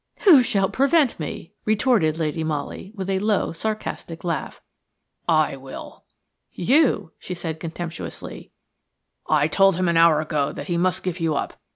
"Who shall prevent me?" retorted Lady Molly, with a low, sarcastic laugh. "I will." "You?" she said contemptuously. "I told him an hour ago that he must give you up.